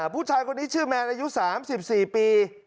ผู้ชายคนนี้ชื่อแมนอายุ๓๔ปี